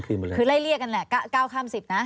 คือไล่เรียกกันแหละก้าวข้าม๑๐นะ